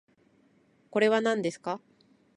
これはなんですか？